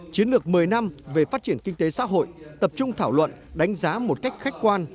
chiến lược một mươi năm về phát triển kinh tế xã hội tập trung thảo luận đánh giá một cách khách quan